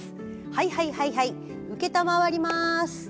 はいはいはいはい承ります。